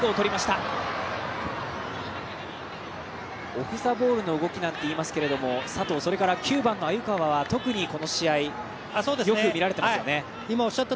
オフザボールの動きなんていいますけど佐藤、それから９番の鮎川は特にこの試合、見られてますよね。